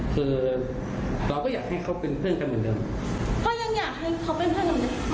คือเราก็อยากให้เขาเป็นเพื่อนกันเหมือนเดิมก็ยังอยากให้เขาเป็นเพื่อนกันไหม